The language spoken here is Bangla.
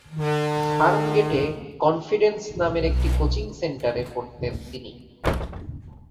ফার্মগেটে কনফিডেন্স নামের একটি কোচিং সেন্টারে পড়তেন তিনি।